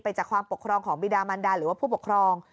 จากความปกครองของบิดามันดาหรือว่าผู้ปกครอง